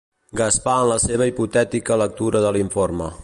Gaspar en la seva hipotètica lectura de l'informe.